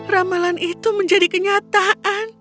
ramalan itu menjadi kenyataan